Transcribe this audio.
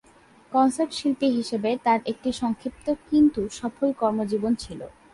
Concert শিল্পী হিসেবে তার একটি সংক্ষিপ্ত, কিন্তু সফল কর্মজীবন ছিল।